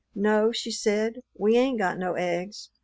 "No," she said, "we ain't got no eggs.